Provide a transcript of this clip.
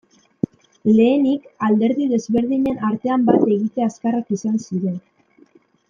Lehenik, alderdi desberdinen artean bat egite azkarrak izan ziren.